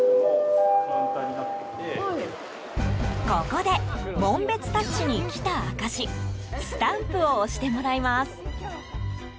ここで、紋別タッチに来た証しスタンプを押してもらいます。